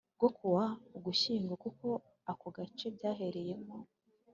bwo ku wa Ugushyingo kuko ako gace byabereyemo